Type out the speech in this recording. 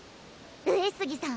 上杉さん